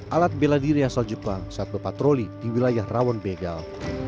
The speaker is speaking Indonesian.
alat bela diri asal jepang saat berpatroli di wilayah rawon begal